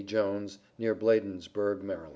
JONES, near Bladensburg, Md.